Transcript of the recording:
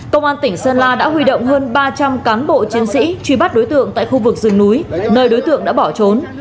công an tỉnh sơn la đã huy động hơn ba trăm linh cán bộ chiến sĩ truy bắt đối tượng tại khu vực rừng núi nơi đối tượng đã bỏ trốn